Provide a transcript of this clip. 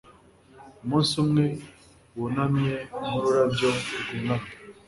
Umunsi umwe wunamye nkururabyo rwunamye